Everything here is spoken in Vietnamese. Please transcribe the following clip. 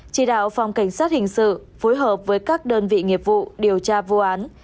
chỉ đạo phòng cảnh sát hình sự phối hợp với các đơn vị nghiệp vụ điều tra vụ án